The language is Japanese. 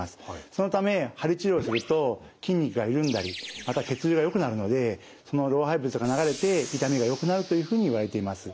そのため鍼治療をすると筋肉が緩んだりまた血流がよくなるのでその老廃物が流れて痛みがよくなるというふうにいわれています。